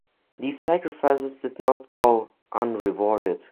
These sacrifices did not go unrewarded.